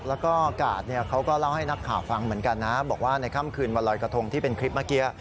แล้วก็กาดเขาก็เล่าให้นักข่าวฟังเหมือนกันนะบอกว่าในค่ำคืนวันรอยกระทงที่เป็นคลิปเมื่อกี้